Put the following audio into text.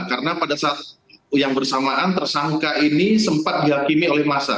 karena pada saat yang bersamaan tersangka ini sempat dihakimi oleh massa